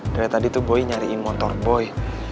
dari tadi tuh boy nyariin motor boy